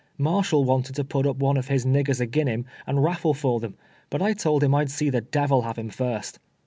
Marshall wanted to put up one of his niggers agin him and raf fle for them, but 1 told him I would see the devil have him first."